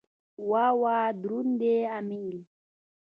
وای وای دروند دی امېل.